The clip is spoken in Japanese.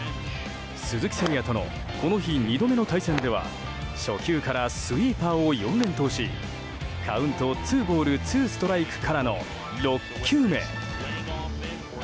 鈴木誠也とのこの日、２度目の対戦では初球からスイーパーを４連投しカウント、ツーボールツーストライクからの６球目。